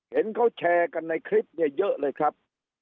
เห็นเขาแชร์กันในคลิปเนี่ยเยอะเลยครับ